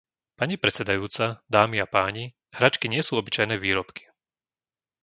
Pani predsedajúca, dámy a páni, hračky nie sú obyčajné výrobky.